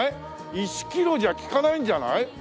１キロじゃきかないんじゃない？